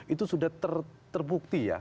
itu sudah terbukti ya